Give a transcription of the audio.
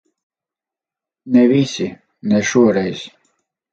Ne visi. Ne šoreiz.